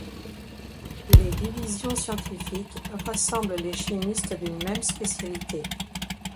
Les divisions scientifiques rassemblent les chimistes d’une même spécialité.